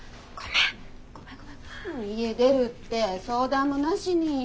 家出るって相談もなしに。